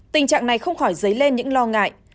tình trạng này không khỏi dấy lên những lo ngại